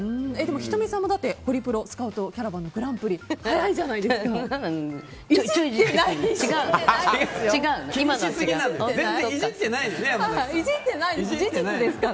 仁美さんもホリプロスカウトキャラバンのグランプリ早かったじゃないですか。